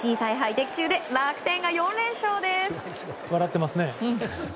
的中で楽天が４連勝です。